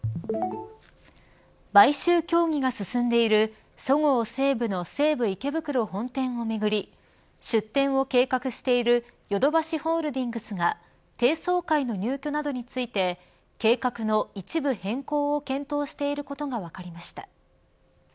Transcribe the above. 買収協議が進んでいるそごう・西武の西武池袋本店をめぐり出店を計画しているヨドバシホールディングスが低層階の入居などについて計画の一部変更を検討していることが分かりました。